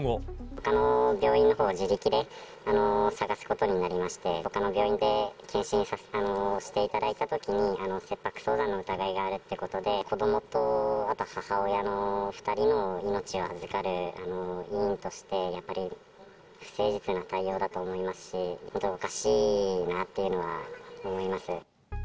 ほかの病院のほうを自力で探すことになりまして、ほかの病院で健診していただいたときに、切迫早産の疑いがあるってことで、子どもとあと母親の２人の命を預かる医院として、やっぱり不誠実な対応だと思いますし、おかしいなっていうのは思います。